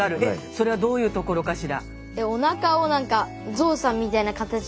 それはどういうところかしら。